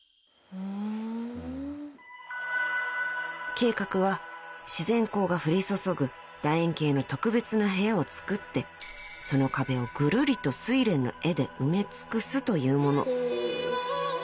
［計画は自然光が降り注ぐ楕円形の特別な部屋を作ってその壁をぐるりと睡蓮の絵で埋め尽くすというもの］